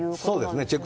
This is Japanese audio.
そうですね。